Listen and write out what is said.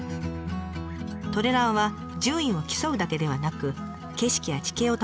トレランは順位を競うだけではなく景色や地形を楽しむのもだいご味。